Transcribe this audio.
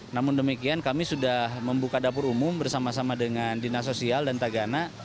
namun demikian kami sudah membuka dapur umum bersama sama dengan dinas sosial dan tagana